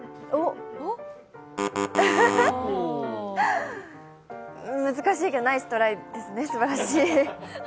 ブブブー難しいけど、ナイストライですね、すばらしい。